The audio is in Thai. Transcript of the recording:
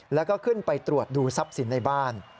แล้วก็ขึ้นไปตรวจดูทรัพย์สินในบ้าน